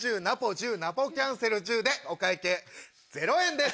１０ナポキャンセル１０でお会計ゼロ円です。